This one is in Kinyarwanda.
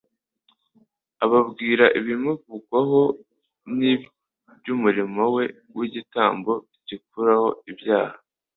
ababwira ibimuvugwaho n'iby'umurimo we w'igitambo gikuraho ibyaha.